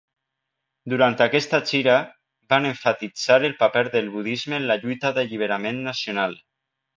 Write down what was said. Durant aquesta gira, van emfatitzar el paper del budisme en la lluita d'alliberament nacional.